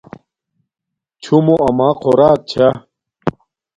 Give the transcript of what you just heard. چھوموں اما خوراک چھا